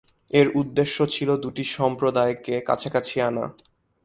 এর উদ্দেশ্য ছিল দুটি সম্প্রদায়কে কাছাকাছি আনা।